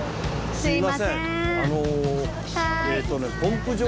すいませんあの。